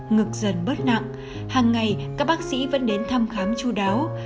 ngực dần bớt nặng hàng ngày các bác sĩ vẫn đến thăm khám chú đáo